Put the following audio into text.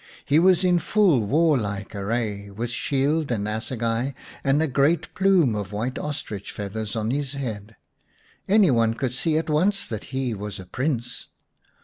He was in full war like array, with shield and assegai, and a great plume of white ostrich feathers on his head. Any one could see at once that he was a Prince.